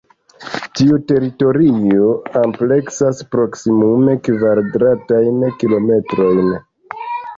Tiu teritorio ampleksas proksimume kvadratajn kilometrojn.